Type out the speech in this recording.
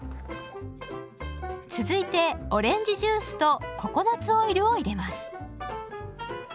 続いてオレンジジュースとココナツオイルを入れます。